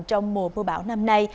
trong mùa mưa bão năm nay